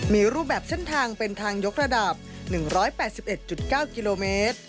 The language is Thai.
มีรูปแบบเส้นทางเป็นทางยกระดับ๑๘๑๙กิโลเมตร